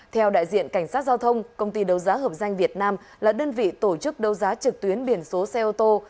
theo đại diện cảnh sát giao thông công ty đấu giá hợp danh việt nam là đơn vị tổ chức đấu giá trực tuyến biển số xe ô tô